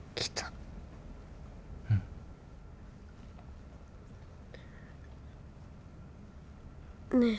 うん。ねえ。